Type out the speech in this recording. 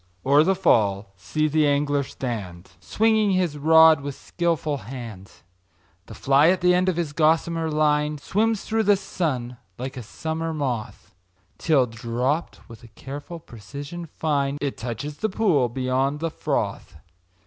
o'er the fall see the angler stand, Swinging his rod with skilful hand; The fly at the end of his gossamer line Swims through the sun like a summer moth, Till, dropt with a careful precision fine, It touches the pool beyond the froth.